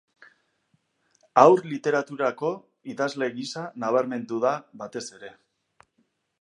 Haur-literaturako idazle gisa nabarmendu da batez ere.